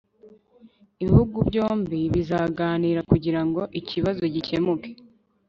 ibihugu byombi bizaganira kugira ngo ikibazo gikemuke